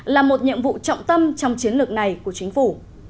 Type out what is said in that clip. là một nhiệm vụ trọng tâm trong chiến lược này của chính phủ